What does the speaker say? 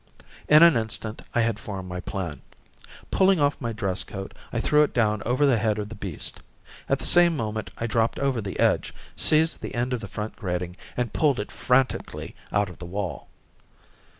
In an instant I had formed my plan. Pulling off my dress coat, I threw it down over the head of the beast. At the same moment I dropped over the edge, seized the end of the front grating, and pulled it frantically out of the wall.